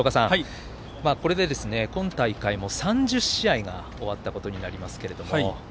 これで、今大会も３０試合が終わったことになりますけれども。